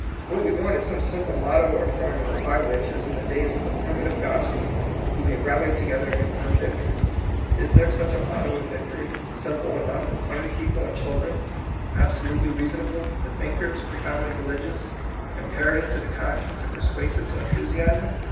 What we want is some simple motto or formula by which, as in the days of the primitive gospel, we may rally together and win vic tory. Is there such a motto of victoiy, simple enough for plain people and chil 176 THE COMING PEOPLE. dren, absolutely reasonable to the thinkers, profoundly religious, impei ative to the con science, and persuasive to enthusiasm